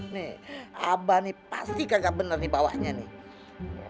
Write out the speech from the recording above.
nih abah nih pasti kagak benar nih bawahnya nih